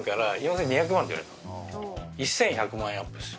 １，１００万円アップですよ。